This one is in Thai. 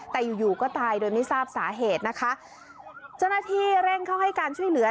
แต่อยู่อยู่ก็ตายโดยไม่ทราบสาเหตุนะคะเจ้าหน้าที่เร่งเข้าให้การช่วยเหลือ